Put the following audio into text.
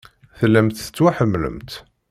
Tellamt tettwaḥemmlemt.